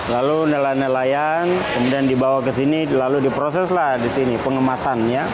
lalu nelayan nelayan kemudian dibawa ke sini lalu diproseslah di sini pengemasannya